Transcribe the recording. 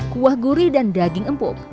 kuah gurih dan daging empuk